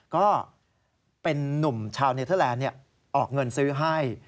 ก็เป็นนุ่มชาวเนเทอร์แลนด์ออกเงินซื้อให้